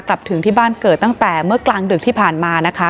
ถึงที่บ้านเกิดตั้งแต่เมื่อกลางดึกที่ผ่านมานะคะ